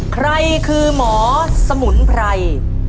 ใครคือหมอสมุนไพร